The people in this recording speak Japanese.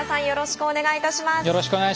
よろしくお願いします。